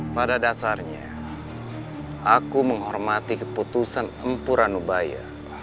pada dasarnya aku menghormati keputusan empuranubaya